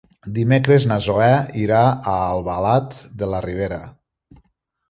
Dimecres na Zoè irà a Albalat de la Ribera.